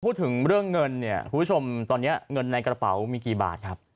พูดถึงเรื่องเงินเนี่ยคุณผู้ชมตอนนี้เงินในกระเป๋ามีกี่บาทครับ